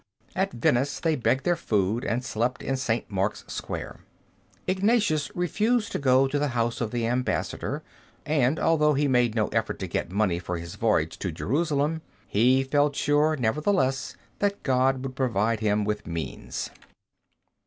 At Venice they begged their food, and slept in St. Mark's Square. Ignatius refused to go to the house of the Ambassador, and although he made no effort to get money for his voyage to Jerusalem, he felt sure nevertheless that God would provide him with means.